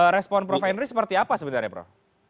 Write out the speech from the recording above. respon prof henry seperti apa sebenarnya prof